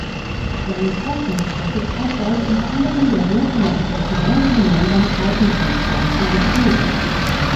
Seine Forschungstätigkeit galt unter anderem der Suche nach strukturellen Gemeinsamkeiten von Pflanze und Tier.